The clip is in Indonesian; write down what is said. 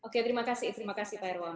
terima kasih terima kasih pak herwa